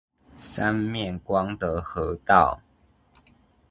三面光的河道